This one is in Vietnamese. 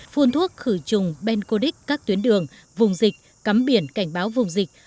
phun thuốc khử trùng bencodic các tuyến đường vùng dịch cắm biển cảnh báo vùng dịch